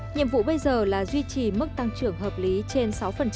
nhiệm vụ bây giờ là duy trì mức tăng trưởng hợp lý trên sáu